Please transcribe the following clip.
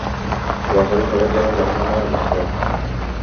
দোয়া করি সবাই যেন জাহান্নামের আগুনে পুড়ে মরেন!